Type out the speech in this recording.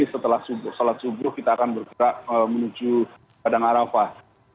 setelah sholat subuh kita akan bergerak menuju padang arafah